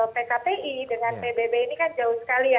pt pi dengan pbb ini kan jauh sekali ya